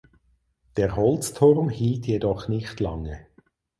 Der Holzturm hielt jedoch nicht lange.